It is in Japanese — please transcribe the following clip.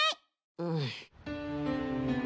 うん。